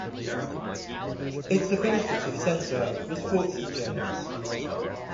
Its administrative centre was Fort Saint James.